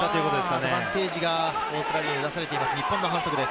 アドバンテージがオーストラリアに出されています。